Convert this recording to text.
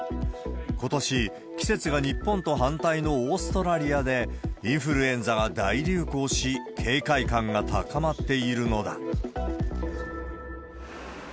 ことし、季節が日本と反対のオーストラリアで、インフルエンザが大流行し、警戒感が高まっているのだ。